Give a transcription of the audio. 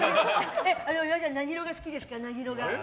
岩井さん、何色が好きですか？